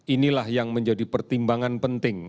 inilah yang menjadi pertimbangan penting